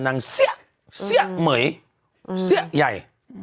นางเสี้ยเสี้ยไหมเสี้ยใหญ่